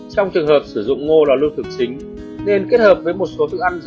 trong trường hợp sử dụng ngô là lương thực chính nên kết hợp với một số thức ăn